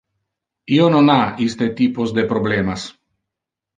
Io non ha iste typos de problemas.